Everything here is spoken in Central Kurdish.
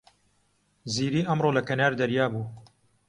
زیری ئەمڕۆ لە کەنار دەریا بوو.